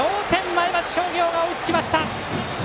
前橋商業が追いつきました！